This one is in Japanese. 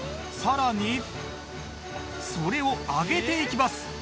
さらにそれを揚げていきます。